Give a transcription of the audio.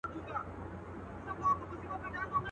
هره ورځ به يې و غلا ته هڅولم.